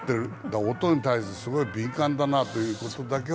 だから音に対してすごい敏感だなという事だけは。